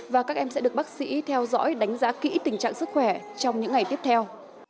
và các em sẽ được bác sĩ theo dõi đánh giá kỹ tình trạng sức khỏe trong những ngày tiếp theo